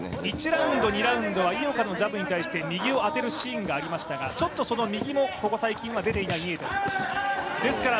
１ラウンド、２ラウンドは井岡のジャブに対して右を当てるシーンがありましたが、ちょっとその右もここ最近は出ていないニエテス。